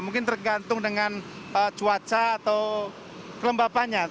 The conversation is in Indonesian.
mungkin tergantung dengan cuaca atau kelembapannya